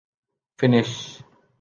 Finnish